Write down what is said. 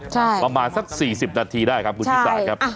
ใช่ประมาณสักสี่สิบนาทีได้ครับครับครับอ่ะ